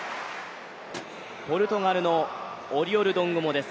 ポルトガルのオリオル・ドングモです。